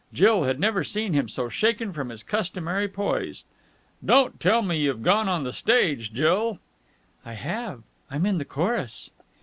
Jill had never seen him so shaken from his customary poise. "Don't tell me you have gone on the stage, Jill!" "I have. I'm in the chorus...."